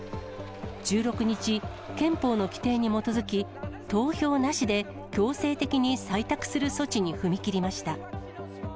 １６日、憲法の規定に基づき、投票なしで強制的に採択する措置に踏み切りました。